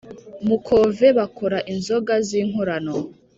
Mukove bakora inzoga zinkorano